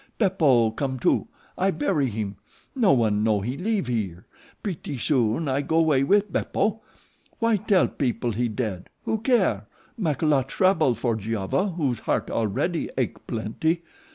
Beppo come too. I bury heem. No one know we leeve here. Pretty soon I go way with Beppo. Why tell people he dead. Who care? Mak lot trouble for Giova whose heart already ache plenty.